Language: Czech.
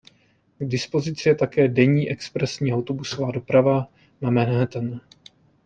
K dispozici je také denní expresní autobusová doprava na Manhattan.